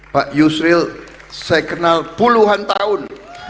pak yusril saya kenal puluhan tahun